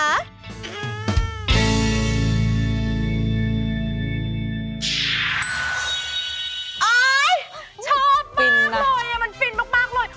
ชอบมากเลยมันฟินมากเลย